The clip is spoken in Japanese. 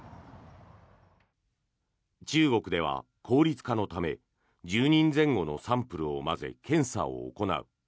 中国では効率化のため１０人前後のサンプルを混ぜ検査を行う。